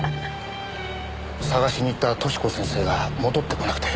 捜しに行った寿子先生が戻ってこなくて。